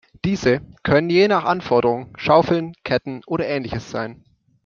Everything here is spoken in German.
Diese können je nach Anforderung Schaufeln, Ketten oder Ähnliches sein.